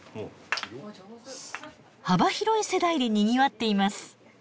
幅広い世代でにぎわっています。